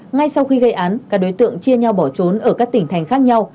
ngay sau khi gây án các đối tượng chia nhau bỏ trốn ở các tỉnh thành khác nhau